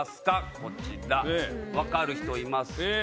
こちら分かる人いますか？